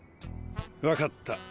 分かった。